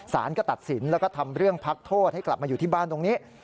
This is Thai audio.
สารก็ตัดสินแล้วก็ทำเรื่องพักโทษให้กลับมาอยู่ที่บ้านตรงนี้